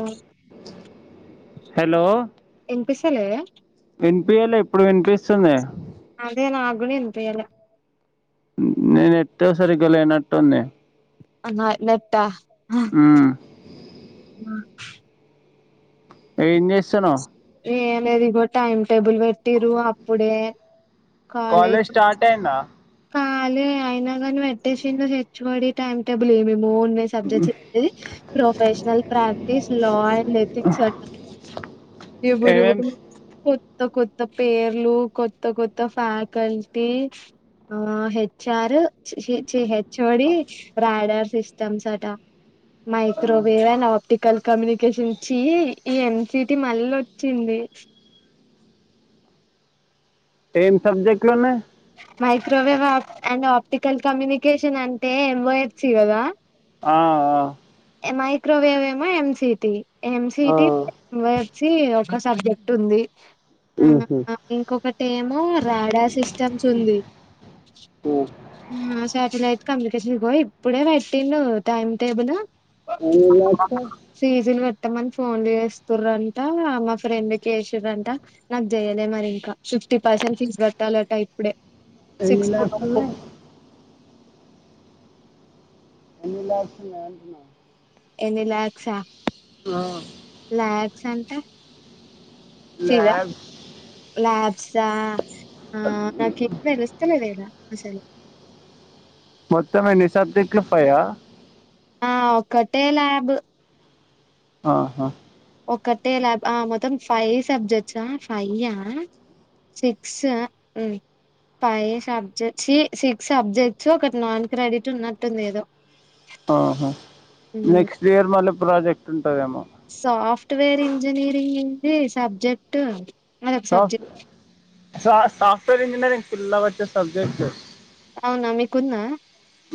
ఆ హలో వినిపియాలే ఇప్పుడు వినిపిస్తుంది అదే నాకు కూడా ఇనిపియ్యాలే నీ నెట్ హే సరిగ్గా లేనట్టుంది. నా నెట్టా హ్ హ్ ఏం చేస్తున్నావ్ ఏం లేదు ఇగో టైమ్ టేబుల్ పెట్టిరు అప్పుడే కాలేజ్ కాలజ్ స్టార్ట్ అయ్యిందా కాలే అయినా కాని పెట్టేసింది. H O D time table ఏమేమో ఉన్నాయి సబ్జెక్ట్స్ది professional practice law and ethics అటా ఏవారు ఏమేం కొత్త కొత్త పేర్లు కొత్త కొత్త ఫ్యాకల్టీ ఆ హెచ్ఆర్ చి హెచ్ఓడి ర్యాడర్ సిస్టమ్స్ అట మైక్రోవేవ్ అండ్ ఆప్టికల్ కమ్యూనికేషన్స్ ఈ ఎన్సిటి మళ్ళ వచ్చింది ఏం సబ్జెక్ట్ లున్నాయి మైక్రోవేవ్ప్ అండ్ ఆప్టికల్ కమ్యూనికేషన్ అంటే ఎంఓ ఎఫ్సీ కదా ఆ మైక్రోవేవ్ ఏమే ఎం సి టి ఎం ఆ సి ఆ టి సి ఒక సబ్జెక్ట్ ఉంది. ఉహ్ ఆ ఇంకొకటి ఏమో రాడార్ సిస్టమ్స్ ఉంది ఉమ్ శాటిలైట్ కమ్యూనికేషన్ ఇగో ఇప్పుడే పెట్టిండు టైమ్ టేబులు. ఉమ్ లక్క ఫిజుల్ పెట్టామని ఫోన్ జేస్తురంట, మా ఫ్రెండ్కి జేసిన్రంట. నాక్ జేయలే మరి ఇంకా, ఫిఫ్టీ పర్సెంట్ ఫీజ్ కట్టాలట ఇప్పుడే. ఎన్ని సిక్స్త్ లాక్స్ వరకు ఉన్నాయ్. ఎన్ని లాక్స్ ఉన్నాయి అంటున్నా. ఎన్ని లాక్స్ ఆ ఆ లాక్స్ అంటే ఫీజ్ ఆ, ల్యాబ్స్ లాబ్స్ ఆ ఉమ్ నాక్ సిగ్నల్ ఒస్తలేద్ ఇడ అసలు. మొత్తం అన్ని సబ్జెక్టులు ఫైవ్ ఆ. ఆ ఒకటే ల్యాబ్ ఆహా ఒక్కటే లాబ్, ఆ మొత్తం ఫైవ్ సబ్జెక్ట్సా ఆ, ఫైయ్య సిక్స్ ఆ ఉమ్ ఫైవ్ సబ్జెక్ట్స్, ఛీ సిక్స్ సబ్జెక్ట్స్, ఒకటి నాన్ క్రెడిట్ ఉన్నట్టుంది ఏదో. ఆహా, హ్మ్ నెక్స్ట్ ఇయర్ మళ్ళీ ప్రాజెక్ట్ ఉంటుందేమో. సాఫ్ట్వేర్ ఇంజనీరింగ్ ఇంది సబ్జెక్ట్. అదొక సాఫ్, సబ్జెక్ట్ సా సాఫ్ట్వేర్ ఇంజనీరింగ్ [unintelligible] వచ్చే సబ్జెక్ట్. అవునా మీకున్న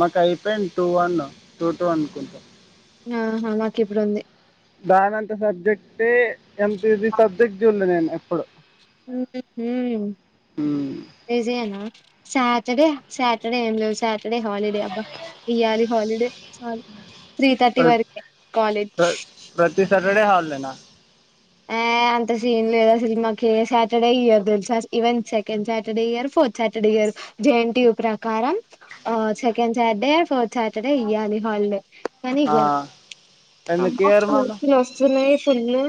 మాక్ అయిపోయింద్ టూ వన్, టూ టూ అనుకుంటా. ఆహా మాకిప్పుడ్ ఉంది. దానంత సబ్జెక్టే ఎంతా ఈజీ సబ్జెక్ట్ జూడ్ లే నేన్ ఎప్పుడు. ఉహు హుమ్మ్ మ్మ్. ఈజీ ఏనా సాటర్డే, సాటర్డే ఏం లేవు సాటర్డే హాలిడే అబ్బా. ఇయ్యాలి హాలిడే చాలు, త్రీ థర్టీ ప్ర- వరకే కాలేజ్. ప్ర- ప్రతి సాటర్డే హాలిడేనా. ఏ అంత సీన్ లేదు అసల్, మాక్ ఏ సాటర్డే ఇవ్వరు దెల్సా ఈవెన్ సెకండ్ సాటర్డే ఇయ్యారు, ఫోర్త్ సాటర్డే ఇయ్యారు. జే ఎన్ టి యు ప్రకారం ఆ సెకండ్ సాటర్డే, ఫోర్త్ సాటర్డే ఇయ్యాలి హాలిడే. కానీ ఇయ్యారు ఎందుకు ఇయర్ మళ్ళీ [unintelligible] జులై తున్న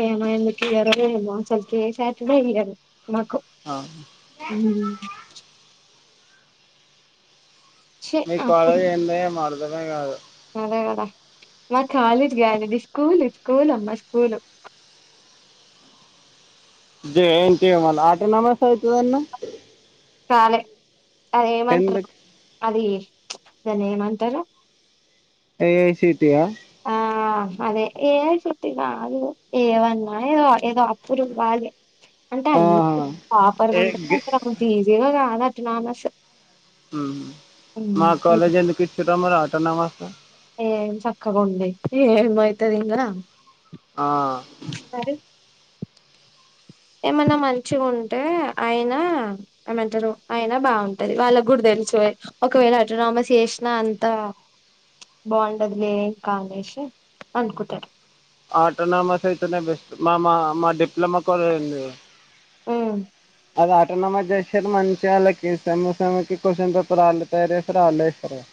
ఏమో ఎందుకొయ్యరో ఏమో, అసల్ కి ఏ సాటర్డే ఇయ్యరు మాకు. ఆ హ్మ్ ఛీ మీ అప్పుడు కాలేజ్ ఏంది ఏమో అర్థమే కాదు. అదే కదా, మా కాలేజ్ కాదు అండి స్కూలు, స్కూల్ అమ్మ school. J N T U మళ్ళ ఆటనమస్ అయితదన్నావ్. కాలే అది ఏమంటారు, ఎందుకు అది దాన్ని ఏమంటారు. ఏ ఐ సీ టీ యా ఆ అదే ఏ ఐ సి టి కాదు, ఏవన్న ఏదో, ఏదో అప్రూవ్ కాలే. అంటే అన్ని [unintelligible] ఏ గే- అంత ఈజీగా కాదు అట్నామస్. ఉమ్, మా కాలేజ్ ఎందుకు ఇచ్చిన్రోమారీ అటానమస్. ఏం చక్కగా ఉంది, ఏమి అవుతది ఇంగా. ఆ మరి ఏమన్నా మంచి ఉంటే అయినా ఏమంటారు అయన బాగుంటది వాళ్ళకు కూడా తెలుసె ఒకవేళ అటోనామస్ చేసిన అంత బాగుండద్ లే ఇంకా అనేష్ అన్కుంటారు ఆటోనామస్ అయితేనే బెస్ట్ మా మా మా డిప్లొమా కోలేజ్ వుంది ఊ అది ఆటన్ నమ్మా చేశారు మంచిగా వాళ్ళకి సమ్ సమ్కి క్వశ్చన్ పేపర్ వాళ్ళు తయారు చేసారు వాళ్ళు ఇస్తారు కద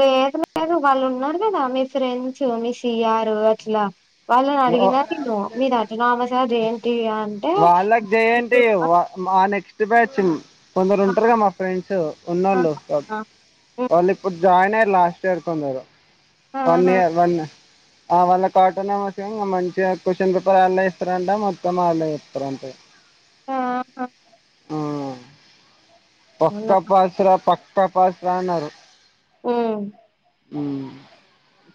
లేదు లేదు వాళ్ళు ఉన్నారు కదా మీ ఫ్రెండ్స్ మీ సిఆరు అట్లా వాళ్ళని అడిగినా నేను మీరు ఆటోనామస్ ఆ జేఎన్టీయూ అంటే వాళ్ళకి చేయండి మా నెక్స్ట్ బ్యాచ్ కొందరు ఉంటారు క మా ఫ్రెండ్స్ ఉన్నళ్ళు ఆహా, వాళ్ళు ఇప్పుడు జాయిన్ అయ్యరు లాస్ట్ ఇయర్ కొందరు వన్ ఇయర్ ఒన్ ఆ వాళ్ళకూ ఆటోనామస్ ఎమో ఇగ మంచిగా క్వశ్చన్ పేపర్ వాళ్లే ఇస్తారంట మొత్తం వాళ్లే చెప్తారంట ఇక ఆహా పక్క అవునా. పాసరా పక్క పాసరా అన్నారు ఊ ఊ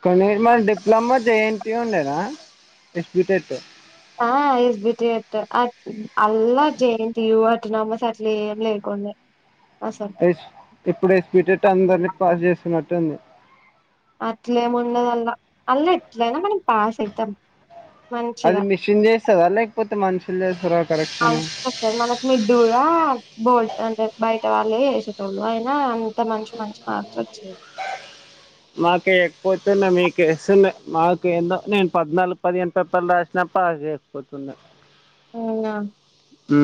కొన్నిర్మన్ డిప్లొమా జేఎన్ టి యూ ఉండేనా [unintelligible] ఆ ఎస్ బి టి ఎటు అట్ ఆళ్ల J N T U autonomous అట్ ఏం లేకుండే అసల్ ఎస్ ఇప్పుడు ఎస్పీటెట్ అందరిని పాస్ చేస్తున్నట్టుంది అట్లేము ఉండదల్లా అల్ల ఎట్లయినా మనం పాస్ ఐతం అది మిషన్ చేస్తదా లేకపోతే మనుషులు చేస్తారు కరెక్షన్ చెసర్ మనకి మిడ్డుర బోల్ట్ అంటే బయట వాళ్ళు వేసేటోళ్ళు అయినా అం ఇ మంచి మంచి మార్క్స్ వచ్చేవి అ మాకె ఎకువతున్నాయ్ మీకు ఎస్తున్నా మాకు ఏందో నేను పద్నాలుగు పదిహేను తప్పల్ రాసిన పాసయిపోతున్నా అవునా ఊ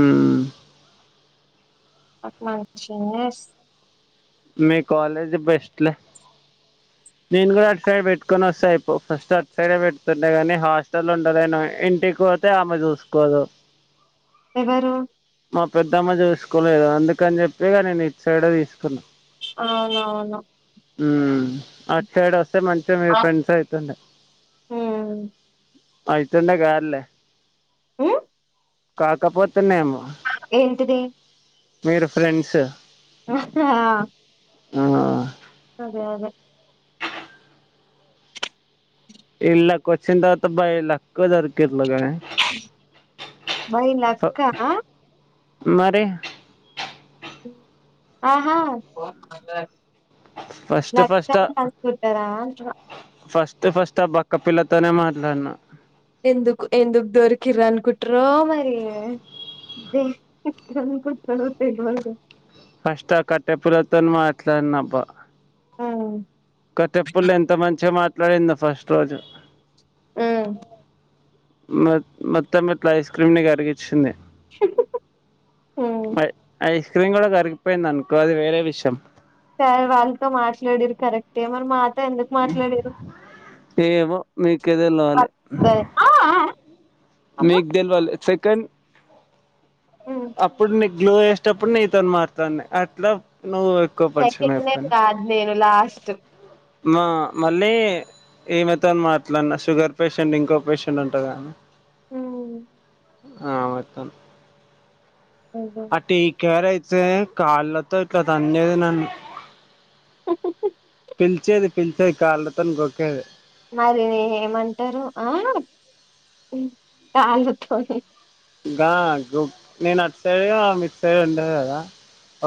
అగ్ మంచినెస్ మీ కాలేజ్ బెస్ట్లే నేను కూడా అటు సైడ్ పెట్టుకొని వస్తాయిపోవు ఫస్ట్ అటు సైడే పెట్టుతుండే గాని హాస్టల్ ఉండలేను ఇంటికి పోత్ తె ఆమె చూసుకోదు ఎవరు మా పెద్దమ్మ చూసుకోలేదు అందుకని చెప్పి ఇగ నేను ఇట్ సైడ్ తీసుకున్నా అవునవును ఊ అట్ సైడ్ వస్తే మంచిగా మీ ఫ్రెండ్స్ అయితుండ హ్మ్ అయితుండే కారులే ఉ కాకపోతెనెమో ఏంటిది మీరు ఫ్రెండ్స్ వచ్చా ఆ అదే అదే ఇల్లా కొచ్చిందావాత బై ఇల్లా కుదర్ కీర్ లాగాయే బై లక్కా మరీ ఆహా ఫస్ట్ నక్ష ఫస్ట్ సంస్కుటరా అనుకుంటున్న అయితే ఫస్ట్ ఆ బక్క పిల్లతోనే మాట్లాడిన ఎందుకు ఎందుకు దొరికిరానుకుంట్ర మరీ ఏ అదే ఎందుకు వస్తారో తెల్వదు గా ఫస్ట్ ఆ కట్టెపులతో మాట్లాడినబ్బా ఆ కట్టెపుల ఎంత మంచిగా మాట్లాడిందో ఫస్ట్ రోజు ఉమ్మ్ మొ మొత్తం ఇట్లా ఐస్ క్రీమ్ ని గారిగిచ్చింది హుహు ఐ ఐస్ క్రీమ్ గూడ గారిగిపోయింది అనుకో అది వేరే విషయం సార్ వాళ్ళతో మాట్లాడిరు కరెక్టే మరీ మా అ తో ఎందుకు మాట్లాడిరు ఏమో మీకే తెలవాలి మీగ్ దల్ వాల్ సెకండ్ హ్మ్ అప్పుడు నీక్ గ్లో వేసేటప్పుడు నీతోను మాట్లాడినా అట్లా నువ్వు ఎక్కువ పరిచయం సెకండ్ అయిపోయినవ్ కాదు నేను లాస్ట్ మా మళ్లీ ఏమైతోన్ మాట్లాడినా షుగర్ పేషెంట్ ఇంకో పేషెంట్ అంటదిగానీ ఉమ్మ్ ఆ వత్తన్ అయిందా ఆ టీ కేర్ అయితే కాళ్లతో ఇట్లాదాన్నినాది నన్ను హుహు హు పిలిచేది పిలిచేది కాళ్లతోని గొక్కేది మరీ నీ ఏమంటారు ఆ ఉమ్ కాళ్లతోనీ గా గు నేను అటు సైడ్ ఆమె ఇట్ సైడ్ ఉండది గదా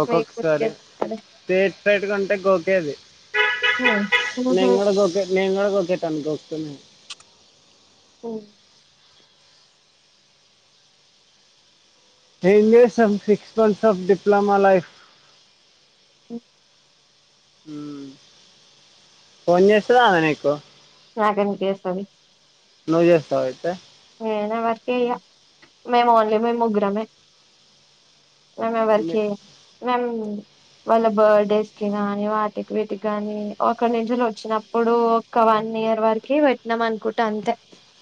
ఒక్కొక్కసారి స్ట్రెయిట్ సైడ్ గుంటే గోకేది నేను ఉహు గూడ గోకె నేను గూడ గొకేటోన్ని గోకుతానంటే ఒ ఏం జేస్తమ్ six months of diploma life ఉమ్మ్ ఉమ్మ్ ఫోన్ జేస్తద ఆమె నీకు నాకేందుకు జేస్తది నువ్ జేస్తావ అయితే నేనే వరకి జేయ్యా మేము ఓన్లీ మేము ముగ్గురమే మేం ఎవరికి నే- జేయమో మేం వాళ్ల బర్త్ డేస్ కి గానీ వాటికి వీటికి గానీ ఒక నిష లో వచ్చినప్పుడు ఒక వన్ ఇయర్ వరకి వెట్టినాం అనుకుంట అంతే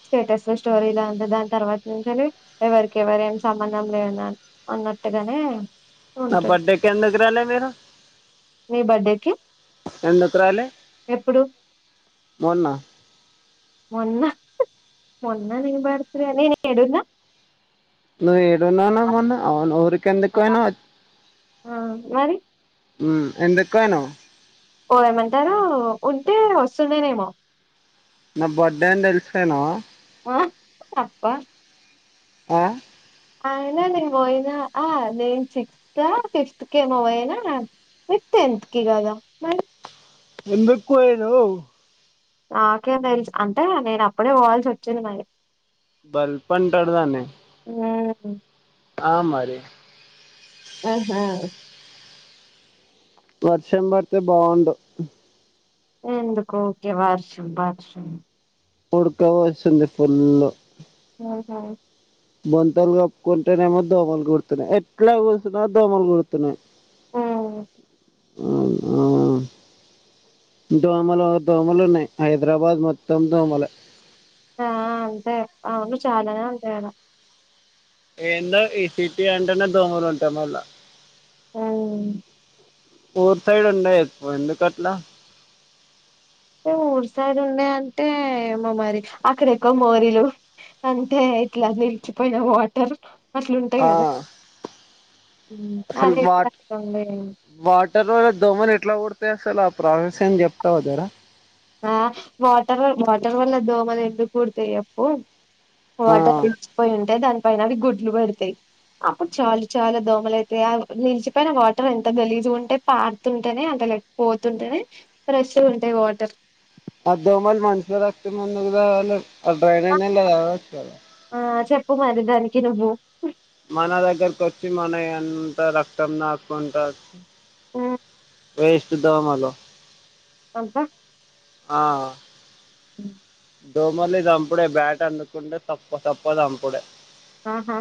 స్టేటస్ అసల్ స్టోరీలో అంతే దాని తర్వాత నుంచలి ఎవరికి ఎవరేమ్ సంబంధం లేనన్ అన్నట్టు గానే నా బర్త్డేక్ ఎందుకురాలే మీరు మీ బర్త్డేకి ఎందుకు ఎప్పుడు మొన్నా మొన్న మొన్న ని బరితాడే అని ఎడున్నా. నువ్వు ఏడున్నావునా మొన్న అవును ఊరిక్ ఎందుకు ఓయినవ్ ఒత్ ఆ మరి ఉ ఎందుక్ ఓయినవ్ ఓ ఏమంటారా ఉంటే వస్తుండనేమో నా బర్త్డే అని దేల్స్ ఫోయినవా అప్పా ఆ అయినా నేన్ బోయినా ఆ నేను సిక్స్త్ ఆ ఫిఫ్త్క్ ఏమో పోయినా. వింత్ తెంతికి గదా మర్ ఎందుక్ క్వాయదో నాకేం దేల్స్ అంటే నేను అప్పుడే పోవాల్సి వచ్చింది మరి బల్ప్ అంటాడుదాని ఉహ్ ఆ మరి ఉహు వర్షం బడితే బావుండు ఎందుకు ఓకే వర్షం బర్షం. ఉడక ఓస్తుంది ఫుల్లు ఓహో బొంతలు కప్పుకుంటేనేమో దోమలు కుడుతున్నాయి, ఎట్లా గసున్నా దోమలు కుడుతున్నాయి. ఉహ్ అవునా దోమలో దోమలున్నాయ్. హైదరాబాద్ మొత్తం దోమలే. ఆ అంతే అవును చాలానే ఉంటాయి ఆడా ఏందో ఈ సిటీ అంటేనే దోమలు ఉంటాయి మళ్ళా అవును ఫోర్ సైడ్ ఉండవు ఎక్కవ్ ఎందుకట్లా ఊర్ సైడ్ ఉన్నా అంటే మా మరి అక్కడ ఎక్కువ మోరీలు. అంటే ఇట్లా నిలిచిపోయినా వాటర్ అంట్లుటాయ్ ఆ గదా ఉహ్ అసలు అదే వాట్ గద్ ఉండాయన్ వాటర్ వల్ల దోమలు ఎట్లా ఓడతాయి. అసలు ఆ ప్రాసెస్ ఏంద్ జేప్తావా జెరా ఆ వాటరో వాటర్ వల్ల దోమలు ఎందుకు కుడతాయి ఏప్పు ఆ వాటర్ ఇచ్చిపోయి ఉంటే దానిపైన అవి గుడ్లు బెడతాయ్. అప్పుడు చాలు చాలా దోమల అయితాయి. నిలిచిపోయిన వాటర్ ఎంత గలీజు ఉంటే పాడుతుంటేనే అట్ల పోతుంటేనే ఫ్రెష్ గా ఉంటాయి. వాటర్ ఆ దోమల్ మనుషుల రక్తం ఎందుగ్ దగాలే ఆ డ్రైనేజ్ నీళ్ళు దగాచ్చుగా. ఆ చెప్పు మరి దానికి నువ్వు. మన దగ్గరకు వచ్చి మన యంతా రక్తం నాకుకుంటాచ్చి ఉహ్ వేస్ట్ దోమలు అబ్బ ఆ ఉమ్ దోమల్నీ చంపుడే, బ్యాట్ అందుకునుడే తప్ప తప్ప చంపుడే ఆహ